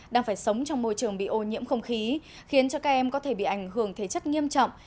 đang phải sống trong môi trường bị ô nhiễm không khí khiến cho các em có thể bị ảnh hưởng thế chất nghiêm trọng